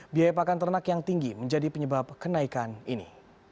biaya pakan ternak yang tinggi menjadi penyebab kenaikan ini